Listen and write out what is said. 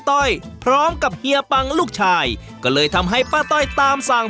ต้อยพร้อมกับเฮียปังลูกชายก็เลยทำให้ป้าต้อยตามสั่ง